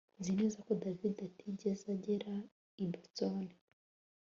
Nzi neza ko David atigeze agera i Boston